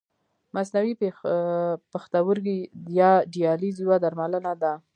مصنوعي پښتورګی یا دیالیز یوه درملنه ده.